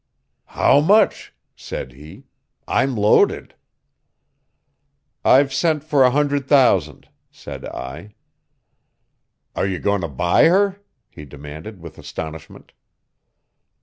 "How much?" said he. "I'm loaded." "I've sent for a hundred thousand," said I. "Are you going to buy her?" he demanded with astonishment.